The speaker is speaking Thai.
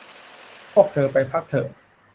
พวกเธอไปพักเถอะ